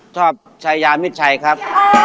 ชอบชายามิดชัยครับ